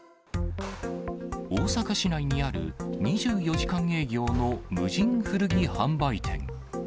大阪市内にある２４時間営業の無人古着販売店。